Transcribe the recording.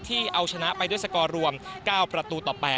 เอาชนะไปด้วยสกอร์รวม๙ประตูต่อ๘